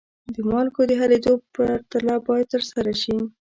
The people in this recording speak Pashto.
د مالګو د حلیدو پرتله باید ترسره شي.